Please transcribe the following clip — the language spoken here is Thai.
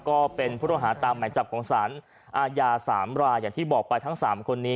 ก็เป็นผู้ต้องหาตามหมายจับของสารอาญา๓รายอย่างที่บอกไปทั้ง๓คนนี้